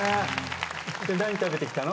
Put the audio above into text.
何食べてきたの？